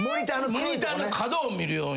モニターの角を見るように。